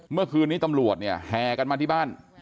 เมื่อคืนนี้ตำรวจเนี่ยแห่กันมาที่บ้าน